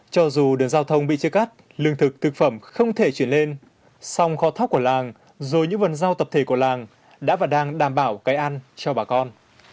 cho dù đường giao thông bị chia cắt lương thực thực phẩm không thể chuyển lên song kho thóc của làng rồi những vườn rau tập thể của làng đã và đang đảm bảo cái ăn cho bà con